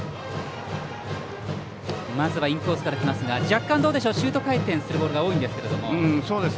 まずはインコースからきますが若干、シュート回転するボールが多いんですけども。